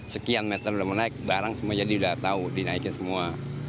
sekian meter udah menaik barang semua jadi udah tahu dinaikin semua